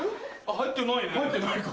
入ってないか。